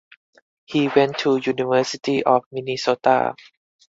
He went to University of Minnesota.